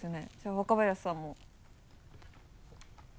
若林さんも。